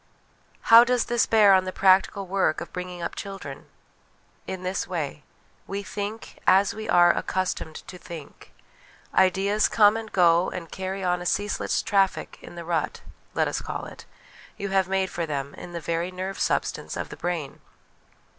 How does this bear on the practical work of bring ing up children? In this way : We think, as rir are accustomed to think ; ideas come and go and carry on a ceaseless traffic in the rut let us call it you have made for them in the very nerve substance of the brain.